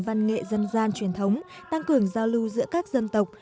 văn nghệ dân gian truyền thống tăng cường giao lưu giữa các dân tộc